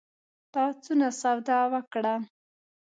تا څونه سودا وکړه؟